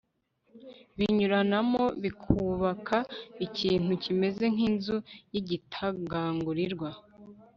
binyuranamo bikubaka ikintu kimeze nk'inzu y'igitagangurirwa